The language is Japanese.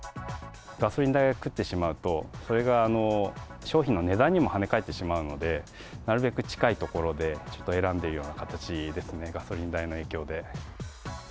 ガソリン代が食ってしまいますと、それが商品の値段にも跳ね返ってしまうので、なるべく近い所でちょっと選んでるような形ですね、ガソリン代の影響で。